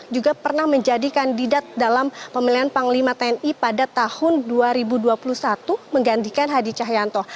juga pernah menjadi kandidat dalam pemilihan panglima tni pada tahun dua ribu dua puluh satu menggantikan hadi cahyanto